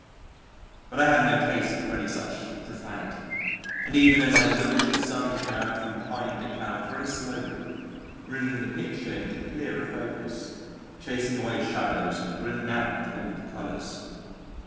But I had no taste for any such profanity, and even as I looked the sun came out from behind a cloud very slowly, bringing the picture into clearer focus, chasing away shadows and bringing out all the colours.